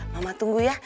mama tunggu ya